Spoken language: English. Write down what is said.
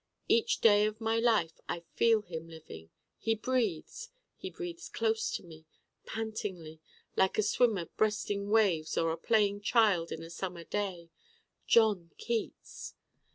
Each day of my life I feel him living. He breathes. He breathes close to me, pantingly, like a swimmer breasting waves or a playing child in a summer day. John Keats!